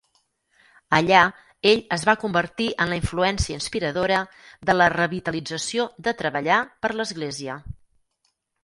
Allà ell es va convertir en la influència inspiradora de la revitalització de treballar per l'església.